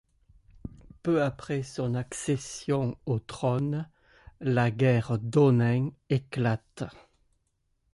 Peu après son accession au trône, la guerre d'Ōnin éclate.